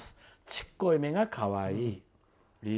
ちっこい目がかわいい。